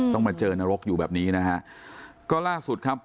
มาเจอนรกอยู่แบบนี้นะฮะก็ล่าสุดครับ